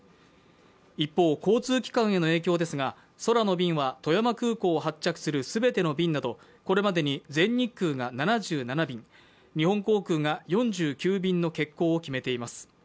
一方、交通機関への影響ですが空の便は、富山空港を発着する全ての便などこれまでに全日空が７７便、日本航空が４９便の欠航を決めています。